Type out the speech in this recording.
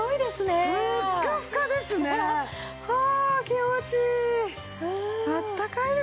気持ちいい！